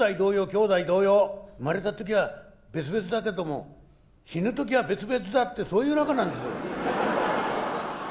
生まれた時は別々だけども死ぬ時は別々だってそういう仲なんですよ」。